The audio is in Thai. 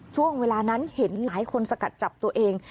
ช่วงเวลานั้นเห็นหลายคนสกัดจับตัวเอง